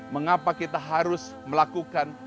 mengapa kita harus melakukan